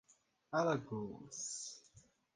Alagoas